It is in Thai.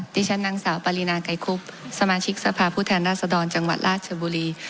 ที่ฉันนางสาวปรินาไกรคุบสมาชิกสภาพผู้แทนราษฎรจังหวัดราชบุรี